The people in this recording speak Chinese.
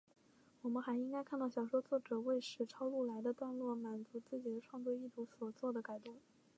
我们还应该看到小说作者为使抄录来的段落满足自己的创作意图所作的改动。